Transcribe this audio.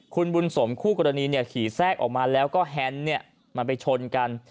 คุณบุญสมคู่กรณีขี่แทรกออกมาแล้วก็แฮนด์มันไปชนกัน